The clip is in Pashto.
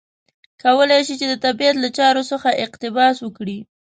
کولای شي چې د طبیعت له چارو څخه اقتباس وکړي.